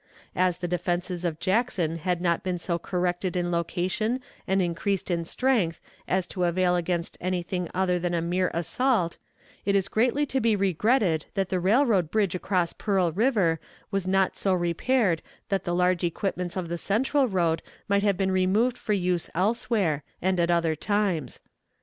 As the defenses of Jackson had not been so corrected in location and increased in strength as to avail against anything other than a mere assault, it is greatly to be regretted that the railroad bridge across Pearl River was not so repaired that the large equipments of the Central road might have been removed for use elsewhere and at other times.